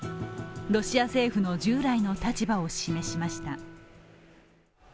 ロシア政府の従来の立場を示しました。